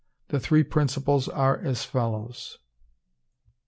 The three Principles are as follows.